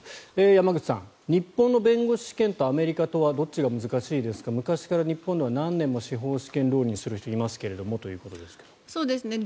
山口さん、日本の弁護士試験とアメリカとはどちらが難しいですか昔から日本では何年も司法試験浪人する人がいるということですが。